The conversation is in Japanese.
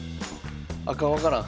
あかん分からん。